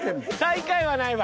最下位はないわ。